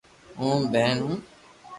ھو ٻين ھون